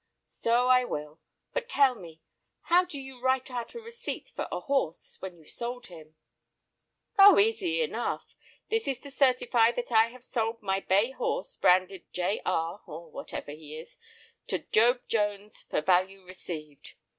"So I will; but tell me, how do you write out a receipt for a horse when you've sold him?" "Oh! easy enough. 'This is to certify that I have sold my bay horse, branded "J. R." (or whatever he is) to Job Jones for value received.